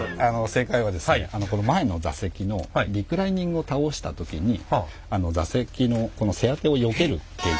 正解は前の座席のリクライニングを倒した時に座席の背当てをよける形状にしてありまして。